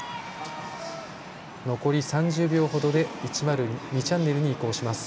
残り３０秒ほどで１０２チャンネルに移行します。